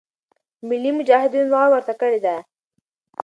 ملی مجاهدینو دعا ورته کړې ده.